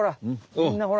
みんなほら。